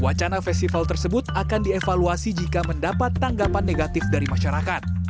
wacana festival tersebut akan dievaluasi jika mendapat tanggapan negatif dari masyarakat